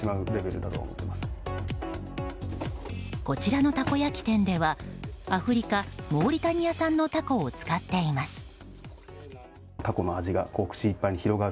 こちらのたこ焼き店ではアフリカ・モーリタニア産のタコを使っています。